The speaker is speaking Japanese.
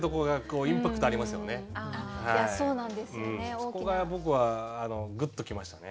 そこが僕はグッと来ましたね。